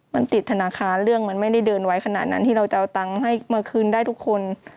มันติดธนาคารเรื่องมันไม่ได้เดินไว้ขนาดนั้นที่เราจะเอาตังค์ให้มาคืนได้ทุกคน